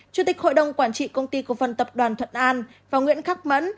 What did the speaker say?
chủ tịch hội đồng quản trị công ty công văn tập đoàn thuận an và nguyễn khắc mẫn